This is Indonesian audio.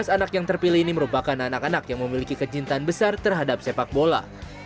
tiga belas anak yang terpilih ini merupakan anak anak yang memiliki kecintaan besar terhadap sepak bola